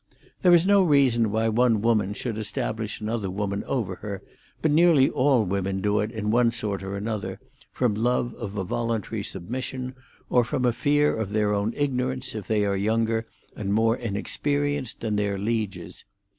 There is no reason why one woman should establish another woman over her, but nearly all women do it in one sort or another, from love of a voluntary submission, or from a fear of their own ignorance, if they are younger and more inexperienced than their lieges.